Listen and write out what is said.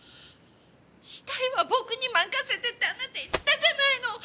死体は僕に任せてってあなた言ったじゃないの！